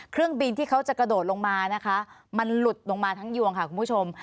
เครื่องบินที่เขาจะกระโดดลงมานะคะมันหลุดลงมาทั้งยวงค่ะคุณผู้ชม